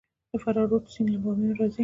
د فراه رود سیند له بامیان راځي